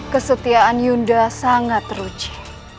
kesetiaan yunda sangat teruji